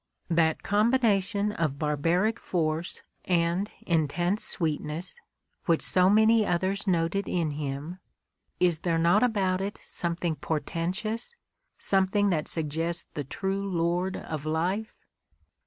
That com bination of barbaric force and intense sweetness, which so many others noted in him — is there not about it some thing portentous, something that suggests the true lord of life